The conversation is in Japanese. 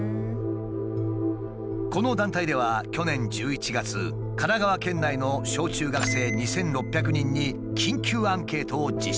この団体では去年１１月神奈川県内の小中学生２，６００人に緊急アンケートを実施。